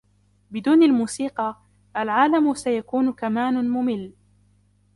بدون الموسيقى, العالم سيكون كمان مُمِل.